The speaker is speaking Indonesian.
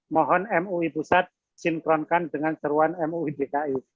mohon mui pusat sinkronkan dengan seruan mui dki